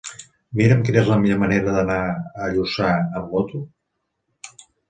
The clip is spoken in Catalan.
Mira'm quina és la millor manera d'anar a Lluçà amb moto.